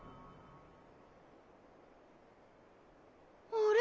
あれ？